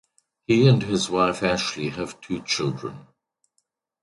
He and his wife Ashley have two children.